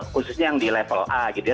khususnya yang di level a gitu ya